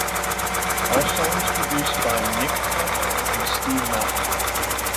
All songs produced by Nick Patrick and Steve Mac.